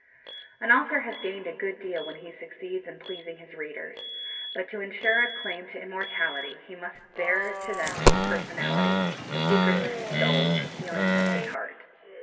An author has gained a good deal when he succeeds in pleasing his readers; but to ensure a claim to immortality he must bare to them his personality, the secrets of his soul, the feelings of his heart.